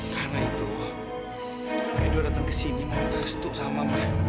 karena itu edo datang ke sini dan terstuk sama ma